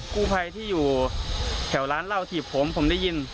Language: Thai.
กู้ภัยที่อยู่แถวร้านเหล้าถีบผมผมได้ยิน